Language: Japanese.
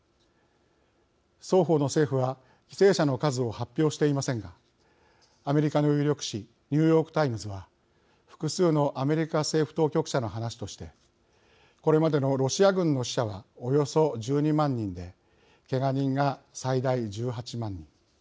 双方の政府は、犠牲者の数を発表していませんがアメリカの有力紙ニューヨークタイムズは、複数のアメリカ政府当局者の話としてこれまでのロシア軍の死者はおよそ１２万人でけが人が最大１８万人